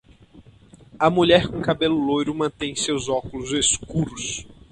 A mulher com cabelo loiro mantém seus óculos escuros.